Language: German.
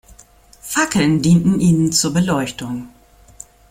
Fackeln dienten ihnen zur Beleuchtung.